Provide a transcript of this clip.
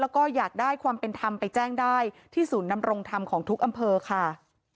แล้วก็อยากได้ความเป็นธรรมไปแจ้งได้ที่ศูนย์นำรงธรรมของทุกอำเภอค่ะ